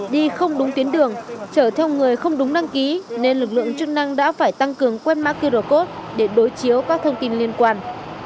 đi không đúng tuyến đường trở theo người không đúng năng ký nên lực lượng chức năng đã phải tăng cường quét mã qr code để đối chiếu các thông tin liên quan